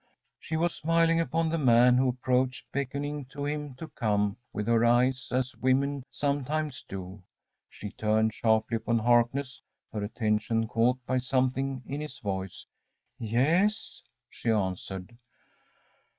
‚ÄĚ She was smiling upon the man who approached, beckoning to him to come with her eyes, as women sometimes do. She turned sharply upon Harkness, her attention caught by something in his voice. ‚ÄúYes?‚ÄĚ she answered.